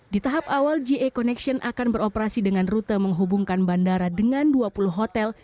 di tahap awal ja connection akan beroperasi dengan rute menghubungkan bandara dengan dua puluh hotel